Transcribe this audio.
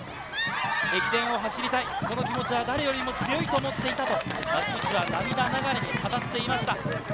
駅伝を走りたい、その気持ちは誰よりも強いと思っていたと増渕は涙ながらに語っていました。